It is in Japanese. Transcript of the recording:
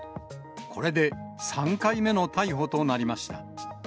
これで３回目の逮捕となりました。